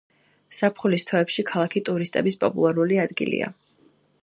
ზაფხულის თვეებში ქალაქი ტურისტების პოპულარული ადგილია.